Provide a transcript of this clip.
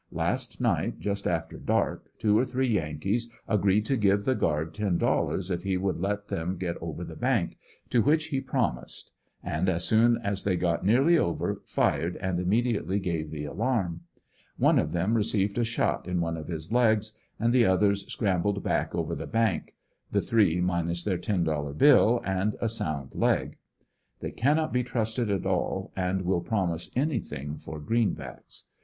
Last night just after dark two or three Yankees agreed to give the guard $10 if he would let them ^et over the bank, to which he promised; and as soon as they ^ot nearly over fired and immediately gave the alarm. One of them received a shot in one of his legs and the others scram bled back over the bank ; the three minus their $10 bill and a sound leg. They cannot be trusted at all and will promise anything for greenbacks.